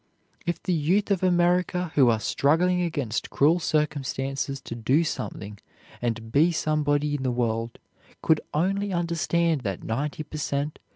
If the youth of America who are struggling against cruel circumstances to do something and be somebody in the world could only understand that ninety per cent.